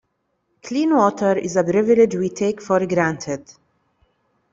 Clean water is a privilege we take for granted.